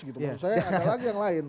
menurut saya ada lagi yang lain